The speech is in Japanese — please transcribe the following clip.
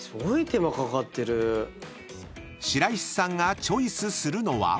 ［白石さんがチョイスするのは？］